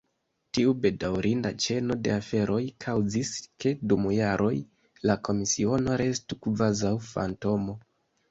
Tiu bedaŭrinda ĉeno de aferoj kaŭzis, ke dum jaroj la Komisiono restu kvazaŭ fantomo.